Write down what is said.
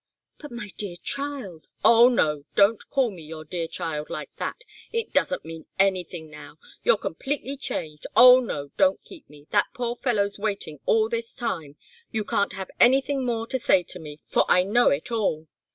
"But, my dear child " "Oh no, don't call me your dear child like that it doesn't mean anything now. You're completely changed no, don't keep me! That poor fellow's waiting all this time. You can't have anything more to say to me, for I know it all.